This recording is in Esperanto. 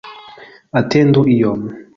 Atendu iom.